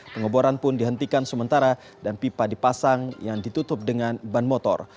pengeboran pun dihentikan sementara dan pipa dipasang yang ditutup dengan ban motor